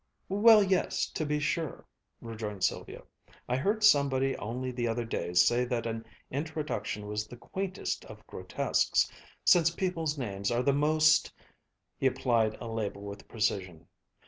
"Well, yes, to be sure," rejoined Sylvia; "I heard somebody only the other day say that an introduction was the quaintest of grotesques, since people's names are the most " He applied a label with precision.